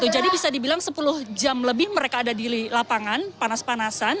jadi bisa dibilang sepuluh jam lebih mereka ada di lapangan panas panasan